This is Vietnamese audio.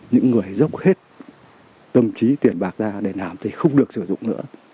những người dốc hết tâm trí tiền bạc ra để làm thì không được sử dụng nữa